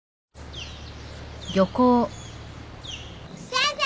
先生！